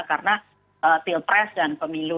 karena pilpres dan pemilu